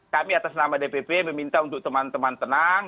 kami atas nama dpp meminta untuk teman teman tenang